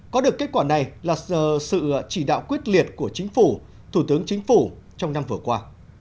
có được kết quả này là sự chỉ đạo quyết liệt của chính phủ thủ tướng chính phủ trong năm vừa qua